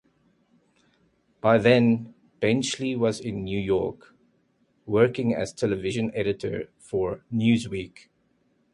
By then Benchley was in New York, working as television editor for "Newsweek".